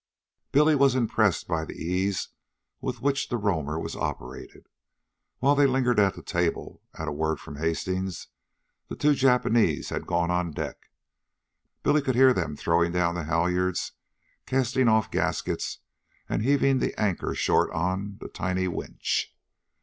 Billy was impressed by the ease with which the Roamer was operated. While they lingered at table, at a word from Hastings the two Japanese had gone on deck. Billy could hear them throwing down the halyards, casting off gaskets, and heaving the anchor short on the tiny winch.